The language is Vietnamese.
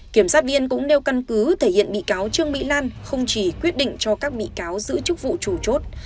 kiểm soát viên cũng đeo căn cứ thể hiện bị cáo trương bị lan không chỉ quyết định cho các bị cáo giữ chức vụ chủ chốt